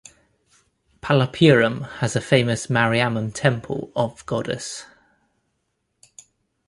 Palappuram has a famous Mariamman Temple of Goddess.